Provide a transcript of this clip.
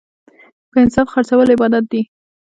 په انصاف خرڅول عبادت دی.